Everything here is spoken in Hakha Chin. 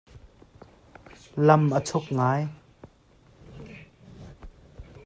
Lam a chuk ngai.